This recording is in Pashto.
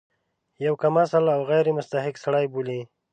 یو کم اصل او غیر مستحق سړی بولي.